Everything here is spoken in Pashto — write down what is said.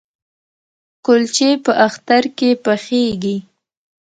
کلچې په اختر کې پخیږي؟